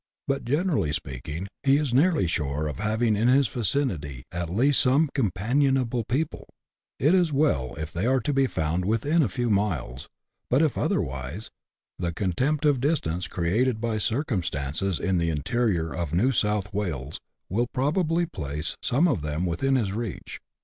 But, generally speaking, he is nearly sure of having in his vicinity at least some companion able people ; it is well if they are to be found within a few miles, but, if otherwise, the contempt of distance created by circum stances in the interior of New South Wales will probably place some of them within his reach.